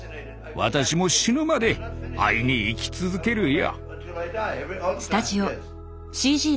私も死ぬまで会いに行き続けるよ。